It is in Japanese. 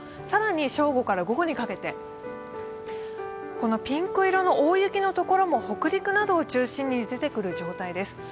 更に正午から午後にかけてピンク色の大雪の所も北陸中心に出てくる状態です。